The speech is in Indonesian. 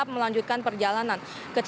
tetap melanjutkan perjalanan